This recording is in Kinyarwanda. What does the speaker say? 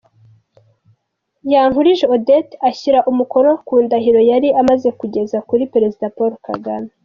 Yankurije Odette ashyira umukono ku ndahiro yari amaze kugeza kuri Perezida Paul Kagame.